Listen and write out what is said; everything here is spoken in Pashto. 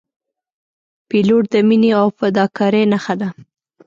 پیلوټ د مینې او فداکارۍ نښه ده.